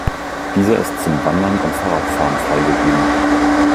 Dieser ist zum Wandern und Fahrradfahren freigegeben.